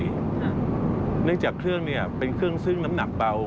เนื่องจากเครื่องเนี่ยเป็นเครื่องซึ่งน้ำหนักเบา